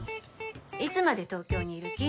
いつまで東京にいる気？